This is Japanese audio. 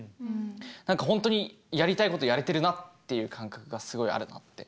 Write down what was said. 何か本当にやりたいことやれてるなっていう感覚がすごいあるなって。